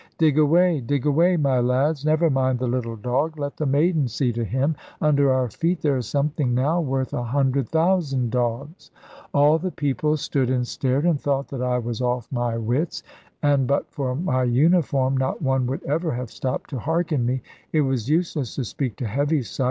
"Dig away, dig away, my lads. Never mind the little dog. Let the maidens see to him. Under our feet there is something now, worth a hundred thousand dogs." All the people stood and stared, and thought that I was off my wits; and but for my uniform, not one would ever have stopped to harken me. It was useless to speak to Heaviside.